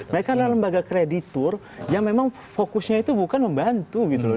mereka adalah lembaga kreditur yang memang fokusnya itu bukan membantu gitu loh